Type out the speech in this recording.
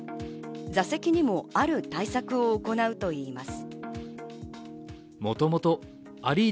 座席にも、ある対策を行うといいます。